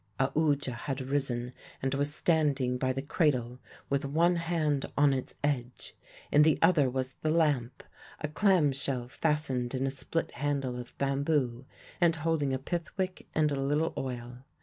Aoodya had risen and was standing by the cradle, with one hand on its edge; in the other was the lamp a clam shell fastened in a split handle of bamboo, and holding a pith wick and a little oil.